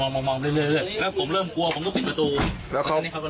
แล้วผมเริ่มกลัวผมต้องปิดประตู